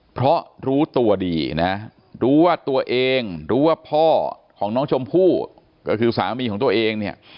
เพราะรู้ตัวดีนะรู้ว่าตัวเองรู้ว่าพ่อของน้องชมพู่ก็คือสามีของตัวเองเนี่ย